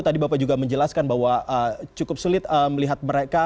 tadi bapak juga menjelaskan bahwa cukup sulit melihat mereka